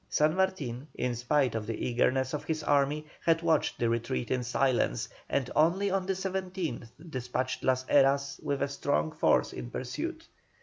San Martin, in spite of the eagerness of his army, had watched the retreat in silence, and only on the 17th despatched Las Heras with a strong force in pursuit.